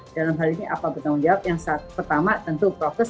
dalam hal ini apa bertanggung jawab yang pertama tentu prokes